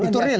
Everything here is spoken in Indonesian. itu real ya